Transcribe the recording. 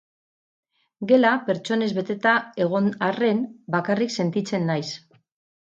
Gela pertsonez beteta egon arren, bakarrik sentitzen naiz.